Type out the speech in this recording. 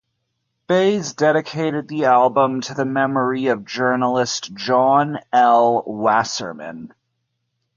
Baez dedicated the album to the memory of journalist John L. Wasserman.